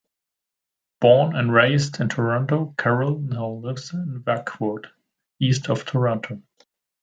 Born and raised in Toronto, Carol now lives in Warkworth, east of Toronto.